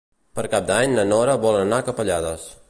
Per Cap d'Any na Nora vol anar a Capellades.